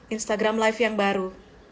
instagram live yang baru